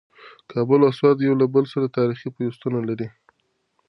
کابل او سوات یو له بل سره تاریخي پیوستون لري.